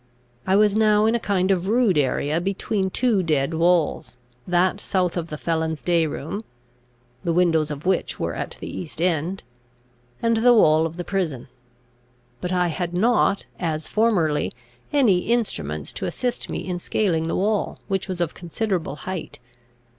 I was now in a kind of rude area between two dead walls, that south of the felons' day room (the windows of which were at the east end) and the wall of the prison. But I had not, as formerly, any instruments to assist me in scaling the wall, which was of considerable height.